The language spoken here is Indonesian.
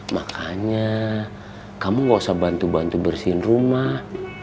makanya kamu gak usah bantu bantu bersihin rumah